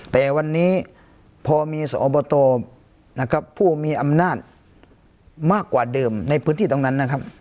แต่วันนี้พอมีสอบตนะครับผู้มีอำนาจมากกว่าเดิมในพื้นที่ตรงนั้นนะครับ